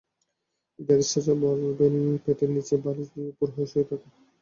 ইদারিস চাচা বলবেন, পেটের নিচে বালিশ দিয়ে উপুড় হয়ে শুয়ে থাক।